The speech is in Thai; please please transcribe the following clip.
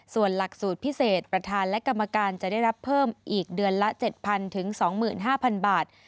ส่วนหลักสูตรพิเศษประธานและกรรมการจะได้รับเพิ่มอีกเดือนละ๗๐๐๒๕๐๐บาท